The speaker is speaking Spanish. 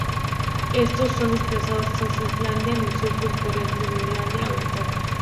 Estos son desplazados hacia Islandia en el sur por la Corriente de Groenlandia Oriental.